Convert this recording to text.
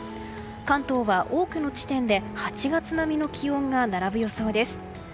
関東は、多くの地点で８月並みの気温が並ぶ予想です。